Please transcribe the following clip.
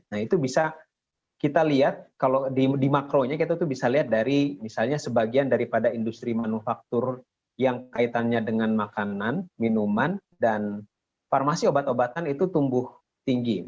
nah itu bisa kita lihat kalau di makronya kita tuh bisa lihat dari misalnya sebagian daripada industri manufaktur yang kaitannya dengan makanan minuman dan farmasi obat obatan itu tumbuh tinggi